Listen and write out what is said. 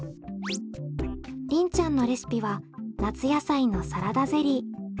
りんちゃんのレシピは夏野菜のサラダゼリー。